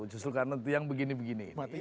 justru karena yang begini begini